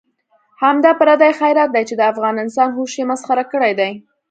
همدا پردی خیرات دی چې د افغان انسان هوش یې مسخره کړی دی.